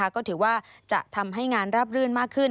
ก็ถือว่าจะทำให้งานราบรื่นมากขึ้น